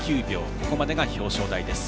ここまでが表彰台です。